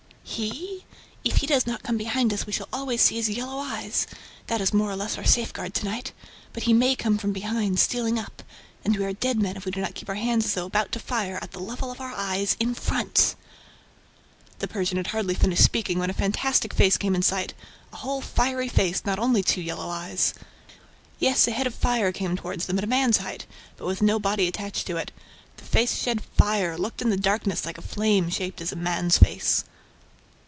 "He? ... If he does not come behind us, we shall always see his yellow eyes! That is more or less our safeguard to night. But he may come from behind, stealing up; and we are dead men if we do not keep our hands as though about to fire, at the level of our eyes, in front!" The Persian had hardly finished speaking, when a fantastic face came in sight ... a whole fiery face, not only two yellow eyes! Yes, a head of fire came toward them, at a man's height, but with no body attached to it. The face shed fire, looked in the darkness like a flame shaped as a man's face.